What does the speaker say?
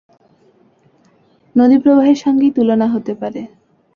নদীপ্রবাহের সঙ্গেই তুলনা হতে পারে।